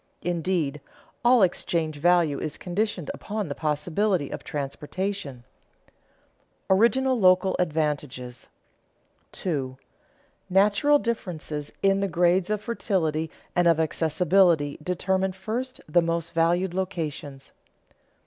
Indeed, all exchange value is conditioned upon the possibility of transportation. [Sidenote: Original local advantages] 2. _Natural differences in the grades of fertility and of accessibility determine first the most valued locations.